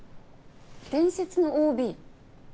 「伝説のＯＢ」？